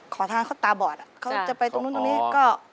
ขอทานเขาตาบอดเขาจะไปตรงนู้นตรงนี้ก็